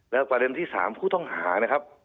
และประเด็นที่๓ผู้ต้องหานะครับ